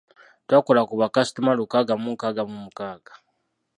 Twakola ku bakasitoma lukaaga mu nkaaga mu mukaaga.